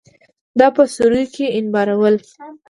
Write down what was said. دا په سوریو کې انبارول.